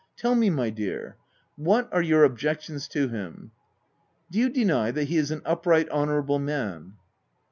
Tell me, my dear, what are your objections to him ? Do you deny that he is an upright, hon ourable man